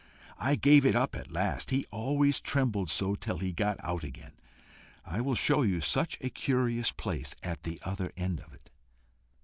I gave it up at last, he always trembled so till he got out again. I will show you such a curious place at the other end of it."